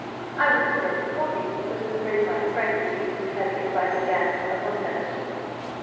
I would send a copy, but am afraid my frank would be too heavy if I began upon another sheet.